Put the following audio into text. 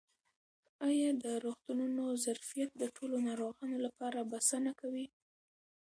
آیا د روغتونونو ظرفیت د ټولو ناروغانو لپاره بسنه کوي؟